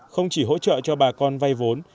không chỉ hỗ trợ cho bà con vay vốn